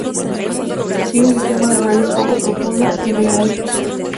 Tiene un sistema de raíces poco profunda, y de gran difusión.